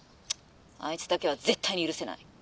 あいつだけは絶対に許せない！」。